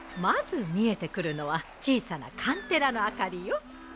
まず見えてくるのは小さなカンテラの明かりよ。